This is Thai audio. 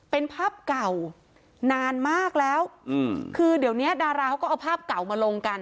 เป็นภาพเก่านานมากแล้วอืมคือเดี๋ยวเนี้ยดาราเขาก็เอาภาพเก่ามาลงกัน